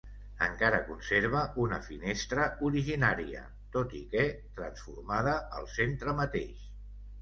Encara conserva una finestra originària, tot i que transformada, al centre mateix.